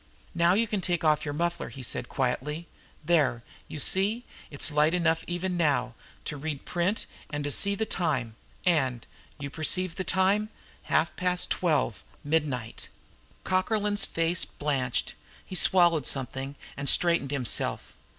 "Now you can take off your muffler," he said quietly. "There, you see it's light enough even now, to read print and to see the time. And you perceive the time? Half past twelve, midnight!" Cockerlyne's face blanched. He swallowed something, and straightened himself.